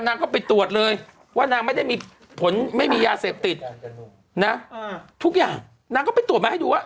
นางก็ไปตรวจเลยว่านางไม่ได้มีผลไม่มียาเสพติดนะทุกอย่างนางก็ไปตรวจมาให้ดูว่า